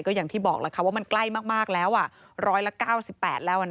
ก็อย่างที่บอกว่ามันใกล้มากแล้วว่า๑๙๘แล้ว